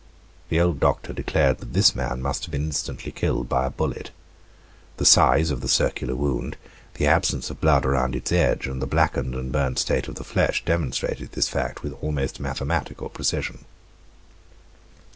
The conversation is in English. The old doctor declared that this man must have been instantly killed by a bullet. The size of the circular wound, the absence of blood around its edge, and the blackened and burnt state of the flesh demonstrated this fact with almost mathematical precision.